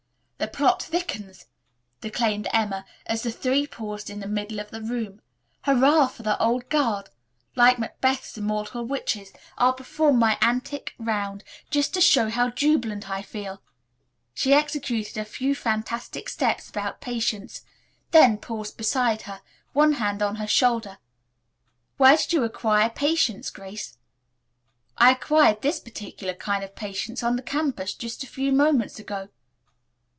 "The plot thickens," declaimed Emma as the three paused in the middle of the room. "Hurrah for the old guard! Like Macbeth's immortal witches, I'll perform my antic round, just to show how jubilant I feel." She executed a few fantastic steps about Patience, then paused beside her, one hand on her shoulder. "Where did you acquire Patience, Grace?" "I acquired this particular kind of Patience on the campus just a few moments ago.